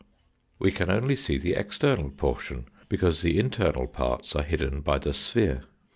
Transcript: We can only see the external por tion, because the internal parts are hidden by the sphere.